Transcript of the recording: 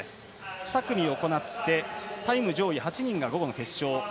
２組行ってタイム上位８人が午後の決勝。